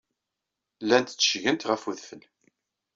Llant tteccgent ɣef wedfel.